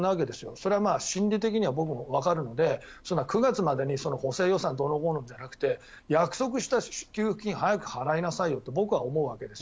それは心理的には僕もわかるので９月までに補正予算どうのこうのじゃなくて約束した給付金早く払いなさいよって僕は思うわけです。